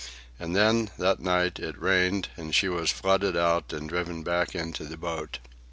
And then, that night, it rained, and she was flooded out and driven back into the boat.